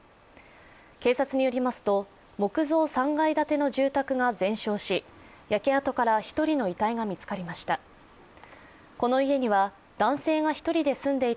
警察によりますと、木造３階建ての住宅が全焼し、焼け跡から１人の遺体が見つかりました。